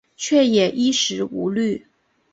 却也衣食无虑